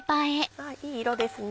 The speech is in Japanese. いい色ですね。